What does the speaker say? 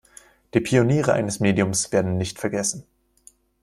Die Pioniere eines Mediums werden nicht vergessen.